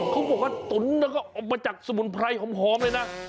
เขาบอกว่าตุ๋นก็ออกมาจากสมุนไพรหอมเลยนะ